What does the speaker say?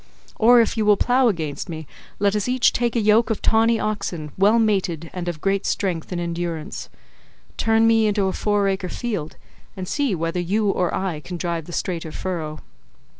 Or if you will plough against me, let us each take a yoke of tawny oxen, well mated and of great strength and endurance: turn me into a four acre field, and see whether you or I can drive the straighter furrow.